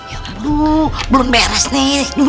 ya aduh belum beres nih